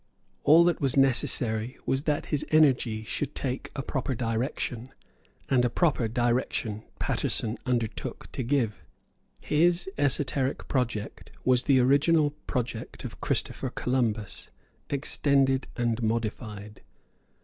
All that was necessary was that his energy should take a proper direction, and a proper direction Paterson undertook to give. His esoteric project was the original project of Christopher Columbus, extended and modified.